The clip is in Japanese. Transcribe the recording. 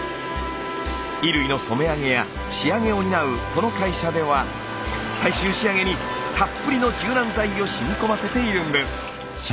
衣類の染め上げや仕上げを担うこの会社では最終仕上げにたっぷりの柔軟剤をしみ込ませているんです。